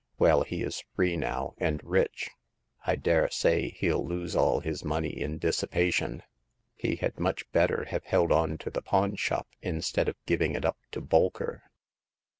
Well, he is free now, and rich. I dare say hell lose all his money in dissipation. He had much better have held on to the pawn shop, instead of giving it up to Bolker."